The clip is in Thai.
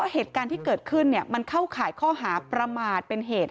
เหตุการณ์ที่เกิดขึ้นมันเข้าข่ายข้อหาประมาทเป็นเหตุ